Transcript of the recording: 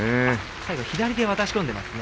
最後左で渡し込んでますね。